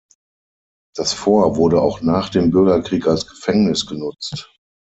Das Fort wurde auch nach dem Bürgerkrieg als Gefängnis genutzt.